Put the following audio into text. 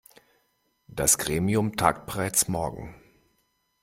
Das Gremium tagt bereits morgen.